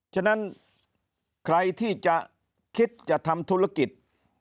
ฉะนั้นใครที่จะคิดจะทำธุรกิจ